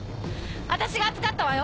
私が預かったわよ。